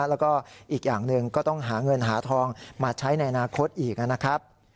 แล้วก็อีกอย่างหนึ่งก็ต้องหาเงินหาทองมาใช้ในอนาคตอีกนะครับ